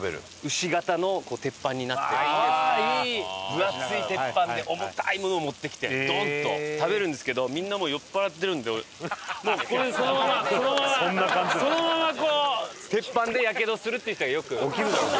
分厚い鉄板で重たいものを持ってきてドン！と食べるんですけどみんなもう酔っ払ってるんでもうこれそのままそのままこう鉄板でヤケドするっていう人がよく。